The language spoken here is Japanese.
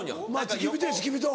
付き人や付き人。